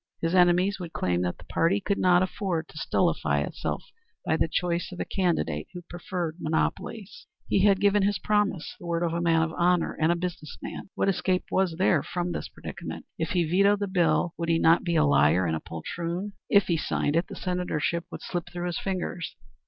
His enemies would claim that the party could not afford to stultify itself by the choice of a candidate who favored monopolies. He had given his promise, the word of a man of honor, and a business man. What escape was there from the predicament? If he vetoed the bill, would he not be a liar and a poltroon? If he signed it, the senatorship would slip through his fingers.